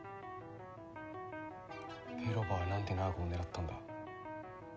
ベロバはなんでナーゴを狙ったんだ？